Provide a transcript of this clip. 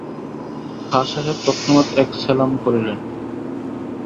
খাঁ সাহেব তৎক্ষণাৎ এক সেলাম করিলেন।